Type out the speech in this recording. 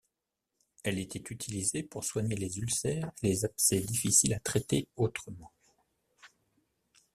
Elle était utilisée pour soigner les ulcères et les abcès difficiles à traiter autrement.